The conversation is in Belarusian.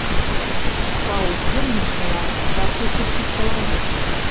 Паўдзельнічала да тысячы чалавек.